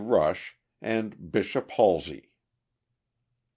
Rush, and Bishop Holsey.